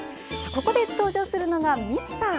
ここで登場するのが、ミキサー！